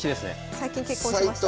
最近結婚しました。